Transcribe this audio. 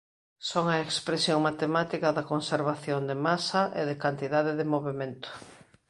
Son a expresión matemática da conservación de masa e de cantidade de movemento.